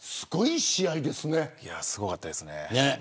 すごかったですね。